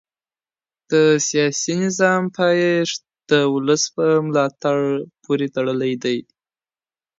د سياسي نظام پايښت د ولس پر ملاتړ پوري تړلی دی.